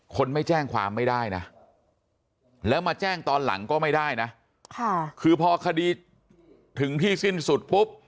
คนไม่แจ้งความไม่ได้นะแล้วมาแจ้งตอนหลังก็ไม่ได้นะคือพอคดีถึงที่สิ้นสุดปุ๊บ